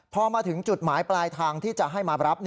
พอมาถึงจุดหมายปลายทางที่จะให้มารับ